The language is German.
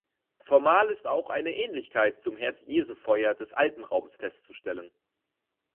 Formal ist auch eine Ähnlichkeit zum Herz-Jesu-Feuer des Alpenraums festzustellen.